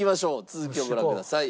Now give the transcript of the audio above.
続きをご覧ください。